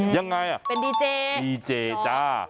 ยังไงอ่ะเป็นดีเจดีเจจ้า